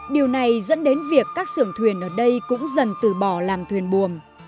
điều này dẫn đến việc các xưởng thuyền ở đây cũng dần từ bỏ làm thuyền buồm